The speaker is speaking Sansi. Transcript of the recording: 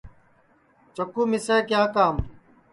چکُو مِسے کیا کام ہے